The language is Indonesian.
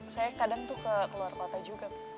saya kadang tuh ke luar kota juga